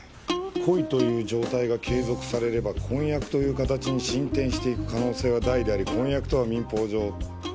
「恋という状態が継続されれば婚約という形に進展していく可能性は大であり婚約とは民法上」って。